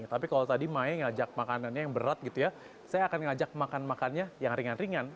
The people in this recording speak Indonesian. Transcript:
tapi kalau tadi mae ngajak makanannya yang berat gitu ya saya akan ngajak makan makannya yang ringan ringan